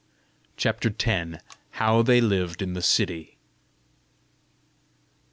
CHAPTER X. HOW THEY LIVED IN THE CITY.